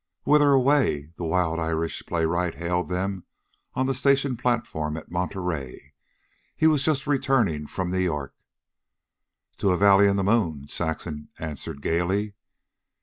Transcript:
"Whither away," the wild Irish playwright hailed them on the station platform at Monterey. He was just returning from New York. "To a valley in the moon," Saxon answered gaily.